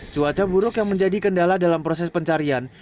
cuaca buruk yang menjadi kendala dalam proses pencarian